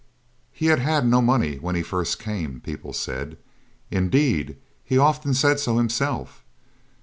He had had no money when he first came, people said; indeed, he often said so himself.